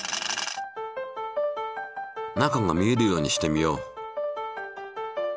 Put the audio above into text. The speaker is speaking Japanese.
中が見えるようにしてみよう。